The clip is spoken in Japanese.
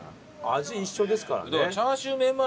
味一緒ですからね。